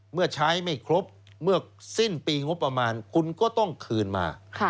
เมื่อใช้ไม่ครบเมื่อสิ้นปีงบประมาณคุณก็ต้องคืนมา